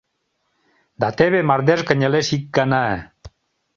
Да теве мардеж кынелеш ик гана.